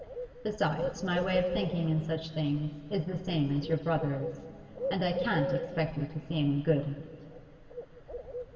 Besides, my way of thinking in such things is the same as your brother's, and I can't expect you to see any good in it.